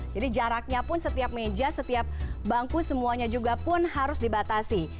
jadi jaraknya pun setiap meja setiap bangku semuanya juga pun harus dibatasi